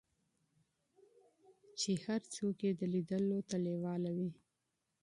چې هر څوک یې لیدلو ته لیواله وي.